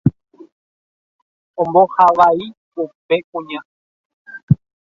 ombohavái upe kuña.